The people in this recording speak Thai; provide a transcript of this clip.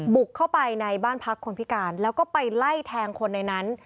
บุกเข้าไปในบ้านพักคนพิการแล้วก็ไปไล่แทงคนในนั้น